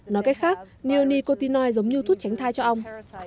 nói cách khác neonicotinoids giống như thuốc tránh thai cho ong